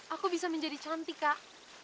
aku bisa menjadi cantik kak